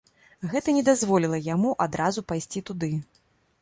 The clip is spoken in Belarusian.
Гэта не дазволіла яму адразу пайсці туды.